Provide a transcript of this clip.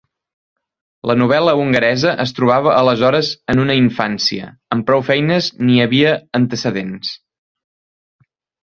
La novel·la hongaresa es trobava aleshores en una infància, amb prou feines n'hi havia antecedents.